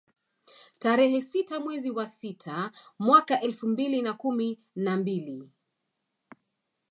Tarehe sita mwezi wa sita mwaka elfu mbili na kumi na mbili